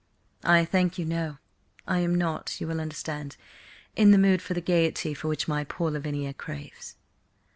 "I thank you, no. I am not, you will understand, in the mood for the gaiety for which my poor Lavinia craves."